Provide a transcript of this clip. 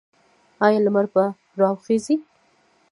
آیا لمر به راوخیږي؟